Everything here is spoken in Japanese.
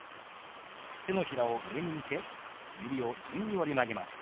手のひらを上に向け指を順に折り曲げます。